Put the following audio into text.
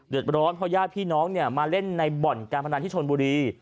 ร้อนเพราะญาติพี่น้องเนี่ยมาเล่นในบ่อนการพนันที่ชนบุรี